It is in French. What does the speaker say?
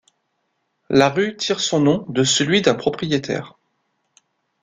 La rue tire son nom de celui d'un propriétaire.